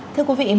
thưa quý vị